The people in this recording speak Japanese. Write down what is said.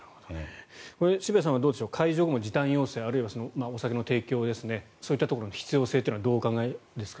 これ渋谷さんはどうでしょう解除後も時短要請あるいはお酒の提供そういったところの必要性はどうお考えですか？